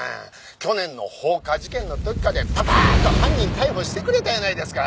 去年の放火事件の時かてパパッと犯人逮捕してくれたやないですか。